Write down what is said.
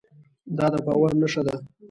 دا د باور نښه ده.